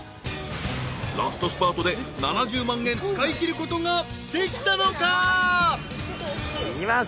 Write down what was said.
［ラストスパートで７０万円使いきることができたのか？］いきます。